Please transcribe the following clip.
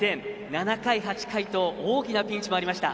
７回、８回と大きなピンチもありました。